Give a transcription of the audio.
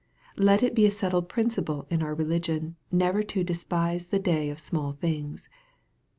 Let it be a settled principle in our religion, never to " despise the day of small things."